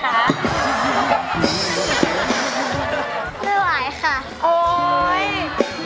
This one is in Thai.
คุณแม่รู้สึกยังไงในตัวของกุ้งอิงบ้าง